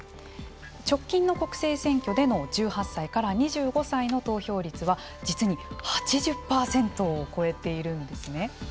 直近の国政選挙での１８歳から２５歳の投票率は実に８０％を超えているんですね。